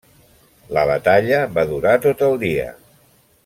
La batalla va durar tot el dia.